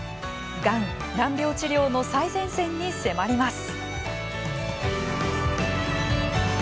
がん・難病治療の最前線に迫ります。